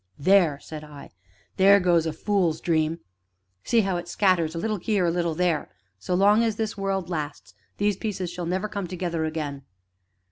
"There!" said I, "there goes a fool's dream! See how it scatters a little here, a little there; but, so long as this world lasts, these pieces shall never come together again."